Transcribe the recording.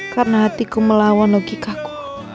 karena hatiku melawan logikaku